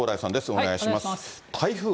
お願いします。